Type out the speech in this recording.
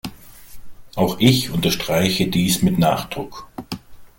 Auch ich unterstreiche dies mit Nachdruck.